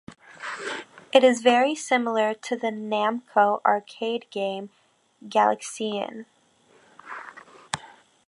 It is very similar to the Namco arcade game "Galaxian".